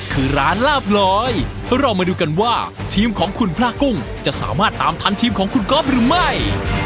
คือร้านลาบลอยเรามาดูกันว่าทีมของคุณพระกุ้งจะสามารถตามทันทีมของคุณก๊อฟหรือไม่